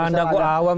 anda kok awam